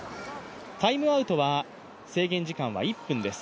タイムアウトは制限時間は１分です